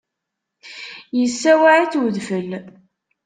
Yessaweε-itt udfel.